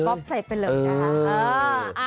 สะบัดบ๊อบใส่ไปเลยนะคะ